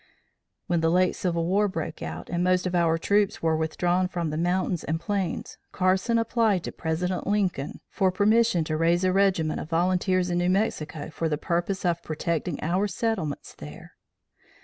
When the late Civil War broke out and most of our troops were withdrawn from the mountains and plains, Carson applied to President Lincoln for permission to raise a regiment of volunteers in New Mexico, for the purpose of protecting our settlements there.